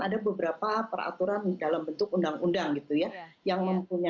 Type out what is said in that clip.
ada beberapa peraturan dalam bentuk undang undang